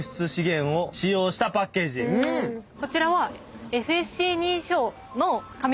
こちらは。